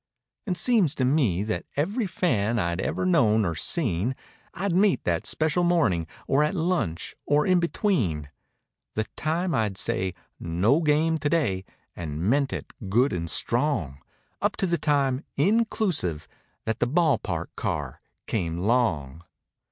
And seems to me that every fan I'd ever known or seen. I'd meet that special morning, or at lunch, or in between The time I'd said 'No game today' (and meant it good and strong) Up to the time (inclusive) that the "Ball Park Car" came 'long.